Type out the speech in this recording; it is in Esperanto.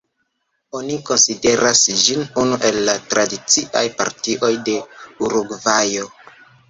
Oni konsideras ĝin unu el la tradiciaj partioj de Urugvajo.